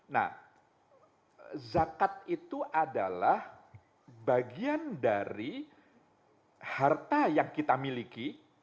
nah zakat itu adalah bagian dari harta yang kita miliki